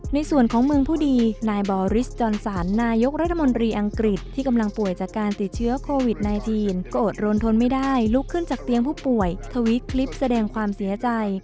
ในส่วนของเมืองผู้ดีนายบอริสจอนสันนายกรัฐมนตรีอังกฤษที่กำลังป่วยจากการติดเชื้อโควิด๑๙ก็อดรนทนไม่ได้ลุกขึ้นจากเตียงผู้ป่วยทวิตคลิปแสดงความเสียใจ